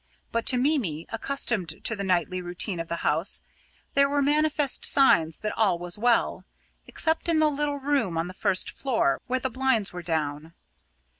But to Mimi, accustomed to the nightly routine of the house, there were manifest signs that all was well, except in the little room on the first floor, where the blinds were down.